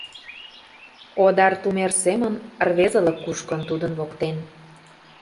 Одар тумер семын Рвезылык кушкын тудын воктен.